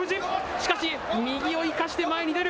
しかし、右を生かして前に出る。